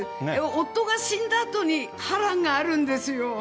夫が死んだあとに、波乱があるんですよ。